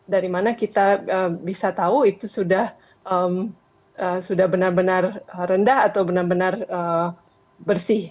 dari mana kita bisa tahu itu sudah benar benar rendah atau benar benar bersih